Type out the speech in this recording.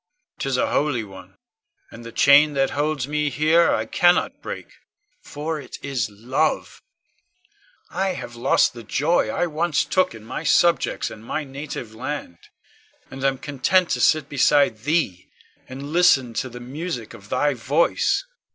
'Tis a holy one, and the chain that holds me here I cannot break, for it is love. I have lost the joy I once took in my subjects and my native land, and am content to sit beside thee, and listen to the music of thy voice. Ione.